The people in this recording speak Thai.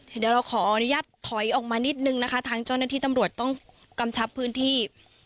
เดี๋ยวเราขออนุญาตถอยออกมานิดนึงนะคะทางเจ้าหน้าที่ตำรวจต้องกำชับพื้นที่